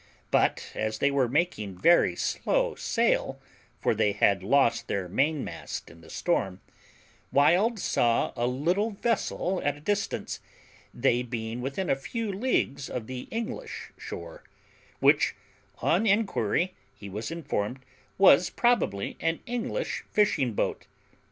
But, as they were making very slow sail (for they had lost their main mast in the storm), Wild saw a little vessel at a distance, they being within a few leagues of the English shore, which, on enquiry, he was informed was probably an English fishing boat.